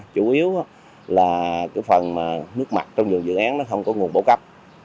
chủ yếu là cái phần nước mặt trong vườn dự án nó không có nguồn bổ cấp